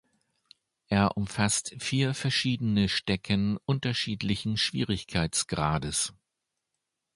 Er umfasst vier verschiedene Stecken unterschiedlichen Schwierigkeitsgrades.